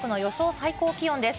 最高気温です。